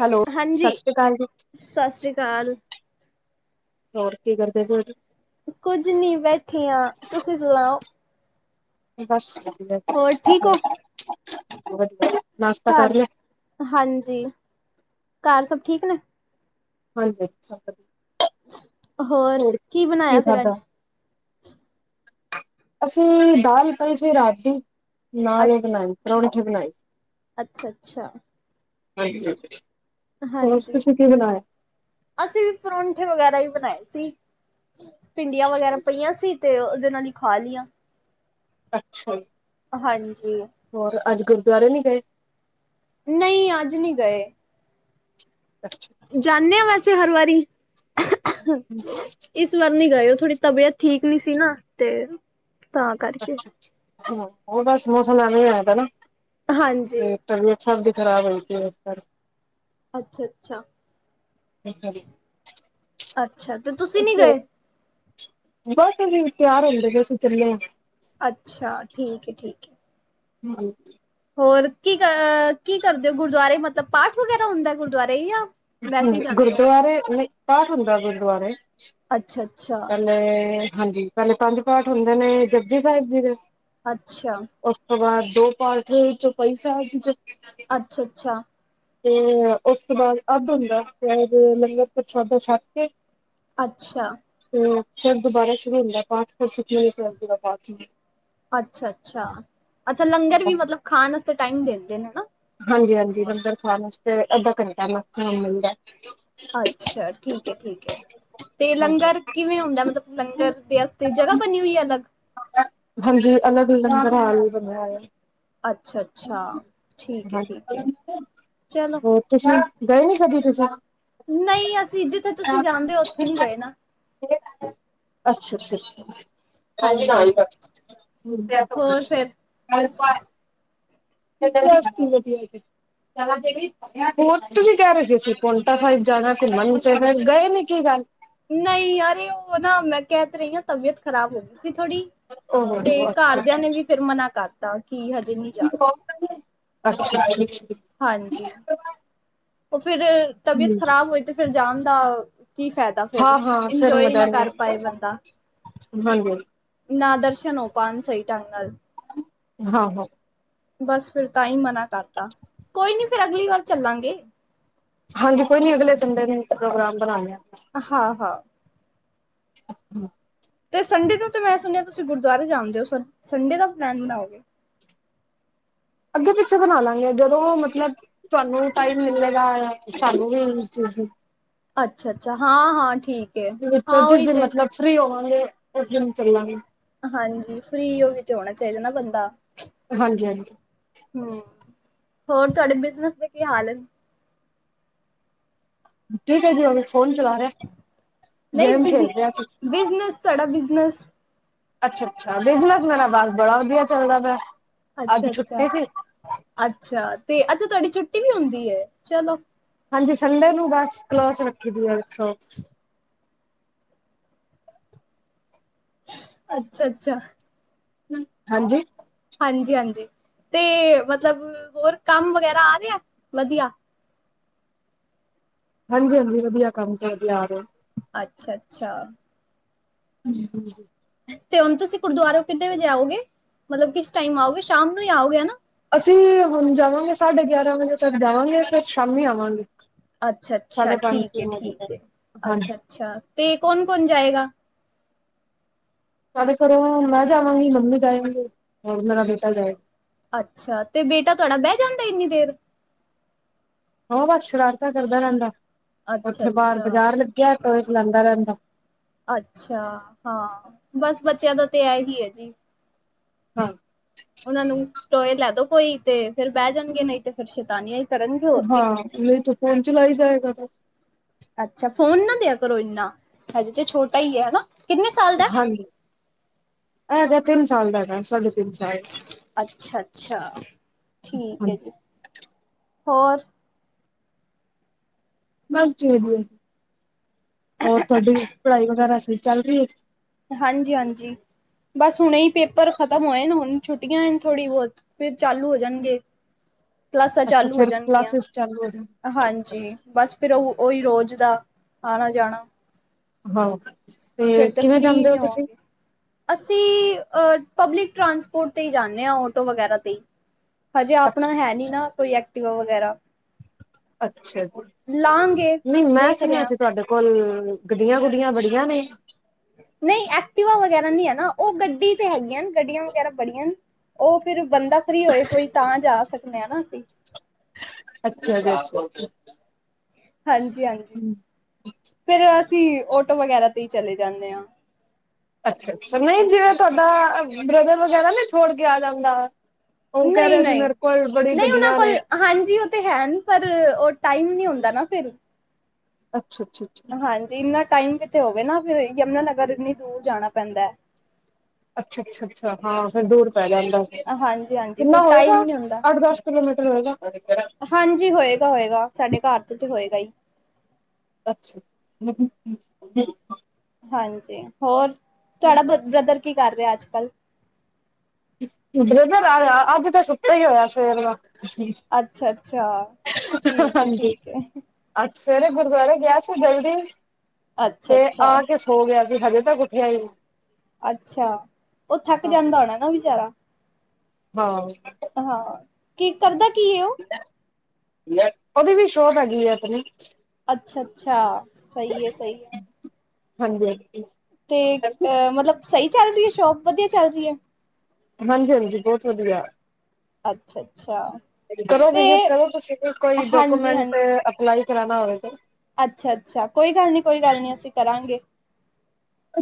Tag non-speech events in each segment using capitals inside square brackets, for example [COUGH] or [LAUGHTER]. Hello ਸਤਿ ਸ਼੍ਰੀ ਕਾਲ ਜੀ ਸਸ ਰੀ ਕਾਲ। ਹੋਰ ਕੀ ਕਰਦੇਂ ਪਏ ਓ ਜੀ ਕੁੱਝ ਨੀ ਬੈਠੀ ਆਂ ਤੁਸੀਂ ਸੁਣਾਓ। ਬਸ ਵਦੀਆ ਐਂ। ਹੋਰ ਠੀਕ ਓ? [INAUDIBLE] ਘਰ ਕਰ ਲਿਆ ਹਾਂਜੀ ਘਰ ਸਭ ਠੀਕ ਨੇ? ਹਾਂਜੀ। [UNINTELLIGIBLE] ਹੋਰ, ਕੀ ਬਣਾਇਆ ਫੇਰ ਅੱਜ। ਅਸੀਂ ਦਾਲ ਪਈ ਜੇ ਰਾਤ ਦੀ, ਨਾਲ ਓ ਅੱਛ ਬਣਾਈ ਪਰੌਂਠੀ ਬਣਾਈ। ਅੱਛਾ-ਅੱਛਾ। ਹੋਰ, ਹਾਂਜੀ। ਤੁਸੀਂ ਕੀ ਬਣਾਇਆ। [UNINTELLIGIBLE] ਅਸੀਂ ਵੀ ਪਰੋਂਠੇ ਵਗੈਰਾ ਈ ਬਣਾਏ ਸੀ, ਭਿੰਡੀਆਂ ਵਗੈਰਾ ਪਈਆਂ ਸੀ। ਤੇ ਓਦੇ ਨਾਲ ਈ ਖਾ ਲੀਆਂ। ਅੱਛਾ। ਹਾਂਜੀ। ਹੋਰ ਅੱਜ ਗੁਰਦੁਆਰੇ ਨੀ ਗਏ। ਨਈ ਅੱਜ ਨਈ ਗਏ। ਅੱਛਾ। ਜਾਨੇ ਆ ਵੈਸੇ ਹਰ ਵਾਰੀ। ਇਸ ਵਾਰ ਨੀ ਗਏ, ਓ ਥੋੜੀ ਤਬੀਅਤ ਠੀਕ ਨੀ ਸੀ, ਨਾ ਤੇ ਤਾਂ ਕਰਕੇ। ਹੋਰ ਬਸ ਮੌਸਮ ਐਵੇਂ ਹੋਇਆ ਦਾ ਨਾ। ਹਾਂਜੀ। ਤੇ ਤਬੀਅਤ ਸਭ ਦੀ ਖਰਾਬ ਹੋਈ ਪਈ ਏ, ਇਸ ਕਰਕੇ। ਅੱਛਾ- ਅੱਛਾ। ਇਸੇ ਲਈ ਅੱਛਾ ਅੱਛਾ ਤੇ ਤੁਸੀਂ ਨੀ ਗਏ। ਬਸ ਅਸੀਂ ਵੀ ਤਿਆਰ ਹੁੰਦੇ ਪਏ ਸੀ, ਅਸੀਂ ਚੱਲੇ ਆ। ਅੱਛਾ, ਠੀਕ ਏ, ਠੀਕ ਏ। ਹਾਂਜੀ। ਹੋਰ ਕੀ ਅ, ਕੀ ਕਰਦੇ ਗੁਰਦੁਆਰੇ ਮਤਲਬ ਪਾਠ ਵਗੈਰਾ ਹੁੰਦਾ ਗੁਰਦੁਆਰੇ ਜਾਂ ਵੈਸੇ ਹੀ ਹਾਂਜੀ, ਜਾਂਦੇ ਹੋ ਗੁਰਦੁਆਰੇ ਨਈ ਪਾਠ ਹੁੰਦਾ ਗੁਰਦੁਆਰੇ। ਅੱਛਾ -ਅੱਛਾ। ਪੇਲੇ ਹਾਂਜੀ ਪੇਲੇ ਪੰਜ ਪਾਠ ਹੁੰਦੇ ਨੇ ਜਪਜੀ ਸਾਹਿਬ ਜੀ ਦੇ। ਅੱਛਾ। ਓਸ ਤੋਂ ਬਾਅਦ ਦੋ ਪਾਠ ਚੌਪਈ ਸਾਹਿਬ ਜੀ ਦੇ। ਅੱਛਾ -ਅੱਛਾ। ਤੇ ਓਸ ਤੋਂ ਬਾਅਦ ਅੱਧ ਹੁੰਦਾ, ਸ਼ਾਏਦ ਲੰਗਰ ਪ੍ਰਸ਼ਾਦਾ ਛੱਕ ਕੇ ਅੱਛਾ। ਤੇ ਓ, ਫਿਰ ਦੁਬਾਰਾ ਸ਼ੁਰੂ ਹੁੰਦਾ ਪਾਠ, ਫਿਰ ਸੁਖਮਨੀ ਸਾਹਿਬ ਜੀ ਦਾ ਪਾਠ ਹੁੰਦਾ। ਅੱਛਾ- ਅੱਛਾ, ਅੱਛਾ ਲੰਗਰ ਵੀ ਹੁੰਦਾ। ਮਤਲਬ ਖਾਣ ਵਾਸਤੇ ਟਾਈਮ ਦਿੰਦੇ ਨੇ ਹਨਾ। ਹਾਂਜੀ -ਹਾਂਜੀ ਲੰਗਰ ਖਾਣ ਵਾਸਤੇ ਅੱਧਾ ਘੰਟਾ ਮੈਕਸੀਮਮ ਮਿਲਦਾ। ਅੱਛਾ, ਠੀਕ ਏ- ਠੀਕ ਏ। ਤੇ ਹਾਂਜੀ। ਲੰਗਰ ਕਿਵੇਂ ਹੁੰਦਾ ਮਤਲਬ, ਲੰਗਰ ਦੇ ਵਾਸਤੇ ਜਗ੍ਹਾ ਬਣੀ ਹੋਈ ਏ ਅਲੱਗ। ਹਾਂਜੀ, ਅਲੱਗ ਲੰਗਰ ਹਾਲ ਵੀ ਬਣੇਆ ਹੋਏਆ। ਅੱਛਾ- ਅੱਛਾ ਠੀਕ ਹਾਂਜੀ ਏ-ਠੀਕ ਏ, ਚਲੋ। ਹੋਰ ਤੁਸੀਂ ਗਏ ਨੀ ਕਦੀ ਤੁਸੀਂ। ਨਈ ਅਸੀਂ ਜਿੱਥੇ ਤੁਸੀਂ ਜਾਂਦੇ ਓ, ਓਥੇ ਨਈ ਗਏ ਨਾ। ਅੱਛਾ- ਅੱਛਾ -ਅੱਛਾ। ਹਾਂਜੀ ਹੋਰ ਫਿਰ [INAUDIBLE] [INAUDIBLE] ਹੋਰ ਤੁਸੀਂ ਕੈ ਰਏ ਸੀ, ਅਸੀਂ ਪੋਂਟਾ ਸਾਹਿਬ ਜਾਣਾ, ਘੁੰਮਣ ਜਾਣਾ ਗਏ ਨੀ ਕੀ ਗੱਲ? ਨਈ ਯਾਰ ਓ, ਨਾ, ਮੈਂ, ਕੈ ਤਾ ਰਈ ਆ, ਤਬੀਅਤ ਖਰਾਬ ਹੋ ਗਈ ਸੀ ਥੋੜ੍ਹੀ। ਓ ਹੋ ਤੇ ਹੋ ਘਾਰ ਅੱਛਾ ਦੇਆਂ ਨੇ ਵੀ ਫੇਰ ਮਨਾ ਕਰਤਾ ਕਿ ਹਜੇ ਨਈ ਜਾਣਾ। ਅੱਛਾ ਅੱਛਾ ਅੱਛਾ। ਹਾਂਜੀ, ਓ ਫਿਰ ਤਬੀਅਤ ਹਾਂਜੀ ਖ਼ਰਾਬ ਹੋਈ ਤੇ ਫਿਰ ਜਾਣ ਦਾ ਕੀ ਫੈਦਾ ਹਾਂ ਫਿਰ, ਹਾਂ ਫਿਰ ਇੰਜੋਏ ਮਜ਼ਾ ਨਾ ਨੀ ਕਰ ਆਂਦਾ ਪਾਏ ਬੰਦਾ। [INAUDIBLE] ਨਾ ਦਰਸ਼ਨ ਹੋ ਪਾਨ ਸਹੀ ਢਂਗ ਨਾਲ ਹਾਂ-ਹਾਂ। ਬਸ ਫੇਰ ਤਾਂ ਈ ਮਨਾ ਕਰਤਾ ਕੋਈ ਨੀ ਫੇਰ ਅਗਲੀ ਵਾਰ ਚੱਲਾਂਗੇ। ਹਾਂਜੀ ਕੋਈ ਨੀ ਅਗਲੇ ਸੰਡੇ ਨੂੰ ਪ੍ਰੋਗਰਾਮ ਬਣਾਦੇ ਆ। ਹਾ-ਹਾ। ਹਾਂ ਤੇ ਸੰਡੇ ਨੂੰ ਤੇ ਮੈਂ ਸੁਣਿਆ ਤੁਸੀਂ ਗੁਰਦੁਆਰੇ ਜਾਂਦੇ ਓ ਸੰਡੇ ਦਾ ਪਲੈਨ ਬਣਾਓਗੇ। ਅੱਗੇ-ਪਿੱਛੇ ਬਨਾ ਲਾਂਗੇ ਜਦੋਂ ਮਤਲਬ ਤੁਹਾਨੂੰ ਵੀ ਟਾਈਮ ਮਿੱਲੇਗਾ, ਸਾਨੂੰ ਵੀ [UNINTELLIGIBLE] ਅੱਛਾ-ਅੱਛਾ ਹਾਂ-ਹਾਂ ਠੀਕ। ਏ। ਵਿੱਚੋਂ ਹਾਂ ਜਿਸ ਉਹੀ ਦਿਨ ਤੇ। ਮਤਲਬ ਫਰੀ ਹੋਵਾਂਗੇ ਉਸ ਦਿਨ ਤੱਲਾਂਗੇ। ਹਾਂਜੀ ਫਰੀ ਓਹੀ ਤੇ ਹੋਣਾ ਚਾਈਦਾ ਨਾ ਬੰਦਾ। ਹਾਂਜੀ-ਹਾਂਜੀ। ਹੂਂ, ਹੋਰ ਤੁਹਾਡੇ ਬਿਜਨਸ ਦੇ ਕੀ ਹਾਲ ਏ। ਠੀਕ ਹੈ ਜੀ ਹੁਣ ਫੋਨ ਚਲਾ ਰੇਆ। ਨਹੀਂ ਬਿਜ, ਬਿਜਨਸ ਤੁਹਾਡਾ ਬਿਜਨਸ ਅੱਛਾ-ਅੱਛਾ ਬਿਜਨਸ ਮੇਰਾ ਬਸ ਬੜਾ ਵਧੀਆ ਚੱਲਦਾ ਪੇਆ। ਅੱਛਾ-ਅੱਛਾ, ਅੱਛਾ ਤੇ ਅੱਛਾ ਤੁਆਡੀ ਛੁੱਟੀ ਵੀ ਹੁੰਦੀ ਐ ਚਲੋ ਹਾਂਜੀ ਸੰਡੇ ਨੂੰ ਬਸ ਕਲੋਸ ਰੱਖੀ ਦੀ ਹੈ ਸੋ਼ਪ। ਅੱਛਾ-ਅੱਛਾ। ਹਾਂਜੀ। ਹਾਂਜੀ-ਹਾਂਜੀ, ਤੇ ਮਤਲਬ ਹੋਰ ਕੰਮ ਵਗੈਰਾ ਆ ਰੇਆ ਵਧੀਆ। ਹਾਂਜੀ-ਹਾਂਜੀ ਵਧੀਆ ਕੰਮ ਚਲ ਰੇਆ ਆ ਰੇਆ। ਅੱਛਾ-ਅੱਛਾ। ਹਾਂਜੀ‌। ਤੇ ਹੁਣ ਤੁਸੀਂ ਗੁਰਦੁਆਰੇਓ ਕਿੱਨੇ ਵਜੇ ਆਓਗੇ, ਮਤਲਬ ਕਿਸ ਟਾਈਮ ਆਓਗੇ ਸ਼ਾਮ ਨੂੰ ਈ ਆਓਗੇ ਹੈਨਾ। ਅਸੀਂ ਵੀ ਹੁਣ ਜਾਵਾਂਗੇ ਸਾਢੇ ਗਿਆਰਾਂ ਵਜੇ ਤੱਕ ਜਾਵਾਂਗੇ, ਫੇਰ ਸ਼ਾਮੀ ਆਵਾਂਗੇ। ਅੱਛਾ-ਅੱਛਾ ਸਾਢੇ ਪੰਜ ਠੀਕ ਐ, ਤਿੰਨ ਵਜੇ ਤੱਕ ਠੀਕ ਐ ਹਾਂਜੀ ਅੱਛਾ-ਅੱਛਾ ਤੇ ਕੌਨ-ਕੌਨ ਜਾਏਗਾ? ਸਾਡੇ ਘਰੋ ਮੈਂ ਜਾਵਾਂਗੀ, ਮੰਮੀ ਜਾਏਗੀ, ਹੋਰ ਮੇਰਾ ਬੇਟਾ ਜਾਏ। ਅੱਛਾ ਤੇ ਬੇਟਾ ਤੁਹਾਡਾ ਬੈਅ ਜਾਂਦੈ ਇੰਨੀ ਦੇਰ। ਓਹ ਬਸ ਸ਼ਰਾਰਤਾਂ ਕਰਦਾ ਰੈਹੰਦਾ, ਅੱਛਾ ਉੱਥੇ ਬਾਰ ਅੱਛਾ ਬਾਜ਼ਾਰ ਲੱਗਿਆ ਟੋਏਸ ਲੈਂਦਾ ਰੈਹੰਦਾ। ਅੱਛਾ ਹਾਂ ਬਸ ਬੱਚਿਆਂ ਦਾ ਤੇ ਏਹੀ ਐ ਜੀ। ਹਾਂ। ਓਹਨਾਂ ਨੂੰ ਟੋਏ ਲੈ ਦੋ ਕੋਈ ਤੇ ਫੇਰ ਬੈ ਜਾਣਗੇ ਨਈ ਤੇ ਫੇਰ ਸ਼ੈਤਾਨੀਆਂ ਹੈ। ਹਾਂ ਨਈ ਤੇ ਫੋਨ ਚਲਾਈ ਜਾਏਗਾ। ਅੱਛਾ ਫੋਨ ਨਾ ਦੇਆ ਕਰੋ ਇੰਨਾ, ਹਜੇ ਤੇ ਛੋਟਾ ਈ ਐ ਹੈਨਾ। ਹਾਂਜੀ, ਐ ਹੈਗੈ ਤਿੰਨ ਸਾਲ ਦਾ ਹੈਗਾ, ਸਾਢੇ ਤਿੰਨ ਸਾਲ ਅੱਛਾ-ਅੱਛਾ ਠੀਕ ਐ ਹਾਂਜੀ। ਜੀ, ਹੋਰ ਬਸ ਜੀਵੇ ਹੋਏ, ਹੋਰ ਤੁਹਾਡੀ ਪੜ੍ਹਾਈ ਵਗੈਰਾ ਸਹੀਂ ਚੱਲ ਰੀਐ। ਹਾਂਜੀ-ਹਾਂਜੀ। ਬਸ ਹੁਣੇ ਈ ਪੇਪਰ ਖਤਮ ਹੋਏਨ, ਹੁਣ ਛੁੱਟੀਔ ਨ ਥੋੜੀ ਬਹੁਤ ਫੇਰ ਚਾਲੂ ਹੋ ਜਾਣਗੇ। ਕਲਾਸਾਂ ਅੱਛਾ ਚਾਲੂ ਹੋ ਫਿਰ ਜਾਣਗੀਆਂ। ਕਲਾਸਿਸ ਚਾਲੂ ਹੋ ਜਾਣ। ਹਾਂਜੀ, ਬਸ ਫੇਰ ਓਹ ਓਹੀ ਰੋਜ਼ ਦਾ ਆਣਾ-ਜਾਣਾ। ਹਾਂ, ਤੇ ਕਿਵੇਂ ਫ੍ਰਰੀ ਜਾਂਦੇ ਓ ਨਹੀਂ ਤੁਸੀਂ? ਹੋਵਾਂਗੇ ਅਸੀਂ ਅ ਪਬਲਿਕ ਟਰਾਂਸਪੋਰਟ ਤੇ ਜਾਂਦੇ ਹਾਂ ਆਟੋ ਵਗੈਰਾ ਤੇ। ਹਜੇ ਅੱਛ ਆਪਣਾ ਹੈ ਨੀ ਨਾ ਕੋਈ ਐਕਟੀਵਾ ਵਗੈਰਾ। ਅੱਛਾ ਜੀ। ਲਾਂਗੇ ਨਹੀਂ ਮੈਂ ਦੇਖ ਰਹੇ ਸੁਣਿਆ ਹਾਂ। ਸੀ ਤੁਹਾਡੇ ਕੋਲ ਗੱਡੀਆਂ- ਗੁਡੀਆਂ ਬੜੀਆਂ ਨੇ। ਨਹੀਂ ਐਕਟੀਵਾ ਵਗੈਰਾ ਨਹੀਂ ਹੈ ਨਾ ਉਹ ਗੱਡੀ ਤੇ ਹੈਗੀਆਂ, ਗੱਡੀਆਂ ਵਗੈਰਾ ਬੜੀਆਂ ਨੇ। ਉਹ ਫਿਰ ਬੰਦਾ ਫਰੀ ਹੋਏ ਕੋਈ ਤਾਂ ਜਾ ਸਕਦੇ ਹ ਨਾ ਅਸੀਂ। ਅੱਛਾ ਜੀ। ਹਾਂਜੀ- ਹਾਂਜੀ। ਹੂ ਫੇਰ ਅਸੀਂ ਔਟੋ ਵਗੈਰਾ ਤੇ ਹੀ ਚਲੇ ਜਾਂਦੇ ਹਾਂ। ਅੱਛਾ- ਅੱਛਾ, ਨਹੀਂ ਜਿਵੇਂ ਤੁਹਾਡਾ ਬ੍ਰਦਰ ਵਗੈਰਾ ਨਾ ਛੋੜ ਕੇ ਆ ਜਾਂਦਾ। ਉਹ ਕਹਿ ਨਹੀਂ-ਨਹੀਂ ਰਿਹਾ ਸੀ ਨਹੀਂ ਮੇਰੇ ਕੋਲ ਬੜੇ ਨਹੀਂ ਉਹਨਾਂ ਗੱਡੀਆਂ ਕੋਲ ਨੇ। ਹਾਂਜੀ ਉਹ ਤੇ ਹੈ ਪਰ, ਉਹ ਟਾਈਮ ਨਹੀਂ ਹੁੰਦਾ ਨਾ ਫਿਰ। ਅੱਛਾ -ਅੱਛਾ- ਅੱਛਾ। ਹਾਂਜੀ। ਇੰਨਾ ਟਾਈਮ ਕਿਤੇ ਹੋਵੇ ਨਾ ਫਿਰ ਯਮੁਨਾ ਨਗਰ ਇੰਨੀ ਦੂਰ ਜਾਣਾ ਪੈਂਦਾ। ਅੱਛਾ- ਅੱਛਾ- ਅੱਛਾ ਹਾਂ, ਫਿਰ ਦੂਰ ਪੈ ਜਾਂਦਾ। ਹੈ ਹਾਂਜੀ-ਹਾਂਜੀ ਫਿਰ ਕਿੰਨਾ ਹੋਏਗਾ ਟਾਈਮ ਨੀ ਹੁੰਦਾ ਅੱਠ- ਦਸ ਕਿਲੋਮੀਟਰ ਹੋਏ ਗਾ। ਹਜੇ ਕੇੜਾ। ਹਾਂਜੀ ਹੋਏਗਾ- ਹੋਏਗਾ ਸਾਡੇ ਘਰ ਤੋਂ ਤੇ ਹੋਏਗਾ ਹੀ। ਅੱਛਾ। [UNINTELLIGIBLE] ਹਾਂਜੀ। ਹੋਰ, ਤੁਹਾਡਾ ਬ ਬ੍ਰਦਰ ਕੀ ਕਰ ਰਿਹਾ ਅੱਜ ਕੱਲ੍ਹ। ਬ੍ਰਜਰ ਆ -ਆ ਅੱਜ ਤੇ ਸੁੱਤੇਈ ਹੋਇਆ ਸਵੇਰ ਦਾ। ਅੱਛਾ- ਅੱਛਾ, ਠੀਕ ਹੈ, ਠੀਕ ਹੈ। ਅੱ ਸਵੇਰੇ ਗੁਰਦੁਆਰੇ ਗਿਆ ਸੀ ਜਲਦੀ। ਤੇ ਆ ਅੱਛਾ-ਅੱਛਾ ਅੱਛਾ ਕੇ ਸੋ ਹੋ ਗਿਆ ਸੀ ਹਜੇ ਤੱਕ ਉੱਠਿਆ ਨਹੀ। ਅੱਛਾ। ਉਹ ਥੱਕ ਹਾਂ ਜਾਂਦਾ ਹੋਣਾ ਨਾ ਵਿਚਾਰਾ। ਹਾਂ। ਹਾਂ। ਕੀ ਕਰਦਾ ਕੀ ਹੈ ਉਹ। ਉਹਦੀ ਵੀ ਸ਼ੋਪ ਹੈਗੀ ਹੈ ਆਪਣੀ। ਅੱਛਾ- ਅੱਛਾ, ਸਹੀ ਹੈ, ਸਹੀ ਹੈ। ਹਾਂਜੀ। ਤੇ, ਹਾਂਜੀ ਅਹ ਮਤਲਬ ਸਹੀ ਚੱਲ ਰਹੀ ਹੈ ਸ਼ੋਪ ਵਧੀਆ ਚੱਲ ਰਹੀ ਹੈ। ਹਾਂਜੀ- ਹਾਂਜੀ, ਬਹੁਤ ਵਧੀਆ। ਅੱਛਾ ਅੱਛਾ ਕਰੋ ਤੇ ਵਿਜ਼ਿਟ ਕਰੋ ਤੁ ਸ ਕੋਈ ਹਾਂਜੀ ਡੋਕੂਮੈਂਟ ਹਾਂਜੀ ਲਾਈ ਕਰਨਾ ਹੋਏ ਤੇ। ਅੱਛਾ- ਅੱਛਾ, ਕੋਈ ਗੱਲ ਨੀ, ਕੋਈ ਗੱਲ ਨੀ ਅਸੀਂ ਕਰਾਂਗੇ।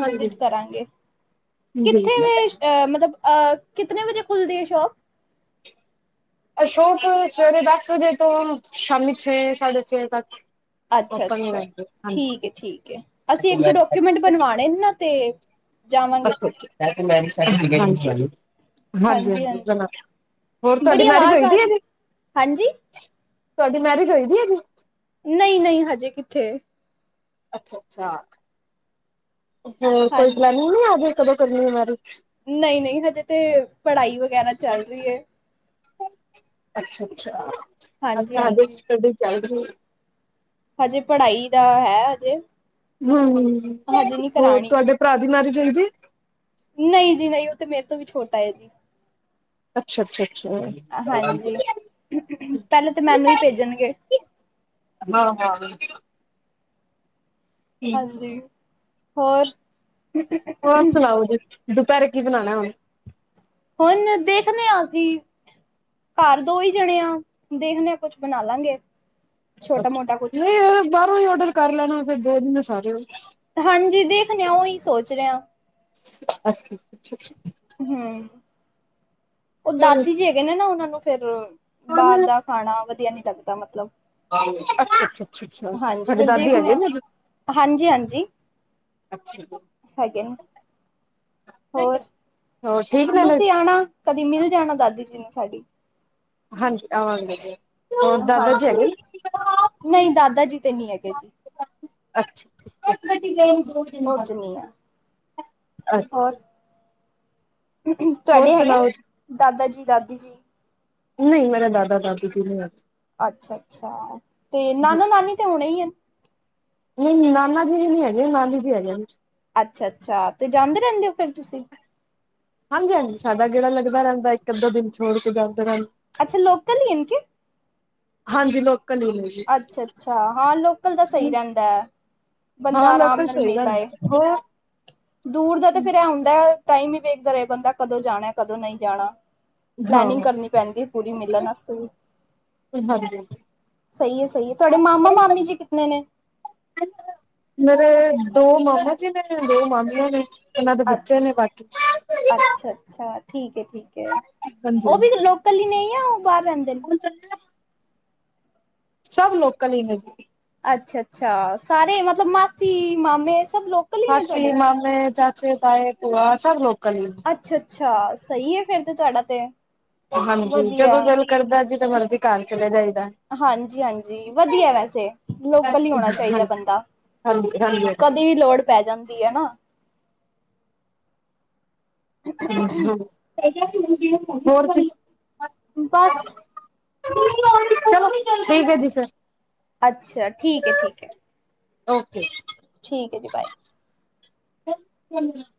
ਹਾਂਜੀ ਵਿਜਿਟ ਕਰਾਂਗੇ। ਜੀ ਕਿੱਥੇ ਵੇ ਅ ਮਤਲਬ ਕਿਤੇ ਵਜੇ ਖੁੱਲਦੀ ਹੈ ਸ਼ੋਪ। ਅਸ਼ੋਕ ਸਵੇਰੇ ਦਸ ਵਜੇ ਤੋਂ ਸ਼ਾਮੀ ਛੇ ਸਾਢੇ ਛੇ ਵਜੇ ਤੱਕ। ਅੱਛਾ- ਓਪਨ ਅੱਛਾ, ਰਹਿੰਦੇ ਹਾਂਜੀ ਠੀਕ ਹੈ, ਠੀਕ ਹੈ। ਅਸੀਂ ਇੱਕ ਦੋ ਡਾਕੂਮੈਂਟ ਬਣਵਾਣੇ ਨਾ ਤੇ ਜਾਵਾਂਗੇ ਦੱਸੋ, ਫਿਰ ਕੇ ਮੈਂ ਨਹੀ ਸੇਟੀਫਕੇਟ ਬਨਣੀ। ਹਾਂਜੀ। ਹਾਂਜੀ- ਹਾਂਜੀ, ਜਨਾ। ਹੋਰ ਤੁਹਾਡੀ ਬੜੀ ਮੈਰਿਜ ਆਵਾਜ਼ ਹੋਈ ਆ ਦੀ ਹੈ ਰਹੀ ਜੀ। ਹਾਂਜੀ ਤੁਹਾਡੀ ਮੈਰਿਜ ਹੋਦੀ ਏ ਜੀ। [UNINTELLIGIBLE] ਨਹੀਂ -ਨਹੀਂ, ਹਜੇ ਕਿੱਥੇ। ਅੱਛਾ- ਅੱਛਾ, ਹੋਰ ਕੋਈ ਹਾਂਜੀ, ਪਲੇਨੀਗ ਅਜੇ ਕਦੋਂ ਕਰਨੀ ਮੈਰੀਜ। ਨਹੀਂ- ਨਹੀਂ, ਹਜੇ ਤੇ ਪੜ੍ਹਾਈ ਵਗੈਰਾ ਚੱਲ ਰਹੀ ਹੈ। ਅੱਛਾ-ਅੱਛਾ, ਅੱਛਾ, ਹਜੇ ਹਾਂਜੀ-ਹਾਂਜੀ, ਸਟਡੀ ਚਲ ਰਹੀ ਏ? ਹਜੇ, ਪੜ੍ਹਾਈ ਦਾ ਹੈ ਹਜੇ। ਹੂੰ, ਹ ਹਜੇ ਨੀ ਹੋਰ ਕਰਾਣੀ। ਤੁਹਾਡੇ ਭਰਾ ਦੀ ਮੈਰਿਜ ਹੋਈ ਦੀ? ਨਹੀਂ ਜੀ, ਨਹੀਂ, ਉਹ ਤੇ ਮੇਰੇ ਤੋਂ ਵੀ ਛੋਟਾ ਏ ਜੀ। ਅੱਛਾ, ਅੱਛਾ, ਅੱਛਾ। ਹਾਂਜੀ, ਪਹਿਲੇ ਤਾ ਮੈਨੂੰ ਈ ਭੇਜਣਗੇ। ਹਾਂ-ਹਾਂ, ਹਾਂ ਹਾਂਜੀ, ਹੋਰ? ਹੋਰ ਸੁਣਾਓ ਜੀ, ਦੁਪਹਿਰੇ ਕੀ ਬਣਾਣਾ ਹੁਣ? ਹੁਨ, ਦੇਖਨੇ ਆ ਅਸੀ। ਘਰ ਦੋ ਈ ਜਣੇ ਆ, ਦੇਖਦੇ ਆਂ ਕੁਛ ਬਣਾ ਲਾਂਗੇ। ਅੱਛਾ, ਛੋਟਾ-ਮੋਟਾ ਕੁਛ। ਨਹੀਂ ਓ ਬਾਹਰੋਂ ਈ ਔਡਰ ਕਰ ਲੈਣਾ, ਫਿਰ ਦੋ ਦਿਨ ਏ ਸਾਰੇ। ਹਾਂਜੀ ਦੇਖਨੇ ਆਂ, ਉਹੀ ਸੋਚਰੇ ਆਂ। ਅੱਸ ਹੂੰ, ਉਹ ਅੱਛਾ ਦਾਦੀ ਜੀ ਹੈਗੇ ਨੇ ਨਾ, ਉਹਨਾਂ ਨੂੰ ਫਿਰ ਬਾਹਰ ਦਾ ਖਾਣਾ ਵਧੀਆ ਨੀ ਲੱਗਦਾ, ਮਤਲਬ। ਅੱਛਾ-ਅੱਛਾ, ਅੱਛਾ-ਅੱਛਾ, ਹਾਂਜੀ ਥੋਡੇ ਫਿਰ ਦਾਦੀ ਦੇਖਣੇ ਹੈਗੇ ਆ ਨੇ ਅਜੇ? ਹਾਂਜੀ ਹਾਂਜੀ ਅੱਛਾ, ਹੈਗੇ ਨੇ ਹੋਰ ਹੋਰ ਠੀਕ ਨੇ? ਤੁਸੀਂ ਆਣਾ ਕਦੀ ਮਿਲ ਜਾਣਾ, ਦਾਦੀ ਜੀ ਨੂੰ ਸਾਡੀ। ਹਾਂਜੀ, ਆਵਾਂਗੇ ਜੇ। ਹਾਂਜੀ, ਨਹੀਂ ਦਾਦਾ ਜੀ ਤੇ ਨਹੀਂ ਹੈਗੇ ਜੀ। ਅੱਛਾ, ਅੱ ਉਹ ਤੇ ਨੀ ਐ, ਹੋਰ? ਹੋਰ ਤੁਹਾਡੇ ਹੈਗੇ ਨੇ, ਸੁਣਾਓ ਦਾਦਾ ਜੀ, ਦਾਦੀ ਜੀ? ਨਹੀਂ, ਮੇਰੇ ਦਾਦਾ-ਦਾਦੀ ਜੀ ਨਹੀਂ ਹੈ। ਅੱਛਾ-ਅੱਛਾ, ਤੇ ਨਾਨਾ-ਨਾਨੀ ਤੇ ਹੋਣੇ ਈ ਨ? ਨਹੀਂ, ਨਾਨਾ ਜੀ ਵੀ ਨੀ ਹੈਗੇਨ, ਨਾਨੀ ਜੀ ਹੈਗੇਨ। ਅੱਛਾ-ਅੱਛਾ, ਤੇ ਜਾਂਦੇ ਰਹਿੰਦੇ ਓ ਫਿਰ ਤੁਸੀ? ਹਾਂਜੀ-ਹਾਂਜੀ, ਸਾਡਾ ਗੇੜਾ ਲੱਗਦਾ ਰਹਿੰਦਾ ਇੱਕ-ਅੱਧਾ ਦਿਨ ਛੋੜਕੇ ਜਾਂਓ ਤ ਰਹਿੰ ਅੱਛਾ, ਲੋਕਲ ਈ ਨ, ਕਿ? ਹਾਂਜੀ, ਲੋਕਲ ਈਨੇ। ਅੱਛਾ-ਅੱਛਾ, ਹਾਂ ਲੋਕਲ ਤਾ ਸਹੀ ਰਹਿੰਦਾ। ਹਾਂ ਬੰਦਾ ਅਰਾਮ ਲੋਕਲ ਨਾਲ ਸਹੀ ਮਿਲ ਆਏ, ਰਹਿੰਦੇ ਹੋਰ ਦੂਰ ਦਾ ਤੇ ਫਿਰ ਐ ਹੁੰਦੈ ਟਾਈਮ ਈ ਵੇਖਦਾ ਰਹੇ ਬੰਦਾ, ਕਦੋਂ ਜਾਣਾ, ਕਦੋਂ ਨਹੀਂ ਜਾਣਾ। ਹਾਂ ਪਲੈਨਿੰਗ ਕਰਨੀ ਪੈਂਦੀ ਏ, ਪੂਰੀ ਮਿਲਣ ਆਸਤੇ ਵੀ। ਹਾਂਜੀ। ਸਹੀ ਏ, ਸਹੀ ਏ, ਤੁਹਾਡੇ ਮਾਮਾ-ਮਾਮੀ ਜੀ ਕਿਤਨੇ ਨੇ? ਮੇਰੇ ਦੋ ਮਾਮਾ ਜੀ ਨੇ, ਦੋ ਮਾਮੀਆਂ ਨੇ। ਇਹਨਾਂ ਦੇ ਬੱਚੇ ਅੱਛ ਨੇ, ਬਾਕੀ। ਅੱਛਾ ਅੱਛਾ, ਠੀਕ ਏ, ਠੀਕ ਏ, ਹਾਂਜੀ ਉਹ ਵੀ ਲੋਕਲ ਈ ਨੇ, ਯਾ ਉਹ ਬਾਹਰ ਰਹਿੰਦੇਨ? ਹਾਂਜੀ ਸਭ ਲੋਕਲ ਈ ਨੇ। ਅੱਛਾ-ਅੱਛਾ, ਸਾਰੇ ਮਤਲਬ ਮਾਸੀ, ਮਾਮੇ ਸਭ ਲੋਕ ਮਾਸੀ, ਮਾਮੇ, ਚਾਚੇ, ਤਾਏ, ਭੂਆ ਸਭ ਲੋਕਲ ਈ ਨ। ਅੱਛਾ-ਅੱਛਾ, ਸਹੀ ਏ ਫਿਰ ਤੇ, ਤੁਹਾਡਾ ਤੇ। ਹਾਂਜੀ, ਵਧੀਆ। ਜਦੋਂ ਦੇਲ ਕਰਦਾ ਜਿਦੇ ਮਰਜ਼ੀ ਕਾਰ ਚਲੇ ਜਾਈਦਾ। ਹਾਂਜੀ-ਹਾਂਜੀ, ਵਧੀਆ ਵੈਸੇ ਲੋਕਲ ਹੀ ਹੋਣਾ ਚਾਈਦਾ ਬੰਦਾ। ਹਾਂਜੀ-ਹਾਂਜੀ। ਕਦੇ ਵੀ ਲੋੜ ਪੈ ਜਾਂਦੀ ਏਨਾ। [UNINTELLIGIBLE] ਬਸ। ਚਲੋ, ਠੀਕਐ ਜੀ ਫੇਰ। ਅੱਛਾ ਠੀਕ ਹੈ ਠੀਕ ਹੈ ਓਕੇ। ਠੀਕ ਐਜੀ ਬਾਏ। [UNINTELLIGIBLE]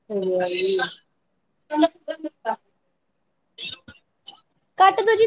[UNINTELLIGIBLE] ਕੱਟ ਦੋ ਜੀ।